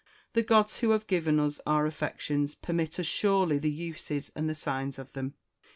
The gods who have given us our affections permit us surely the uses and the signs of them.